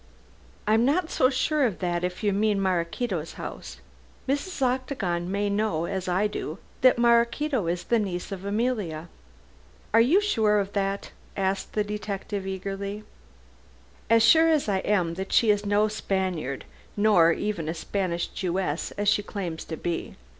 "I am not so sure of that, if you mean Maraquito's house. Mrs. Octagon may know, as I do, that Maraquito is the niece of Emilia." "Are you sure of that?" asked the detective eagerly. "As sure as I am that she is no Spaniard, nor even a Spanish Jewess, as she claims to be.